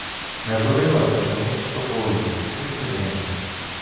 Не журилася чомусь собою, тільки ними.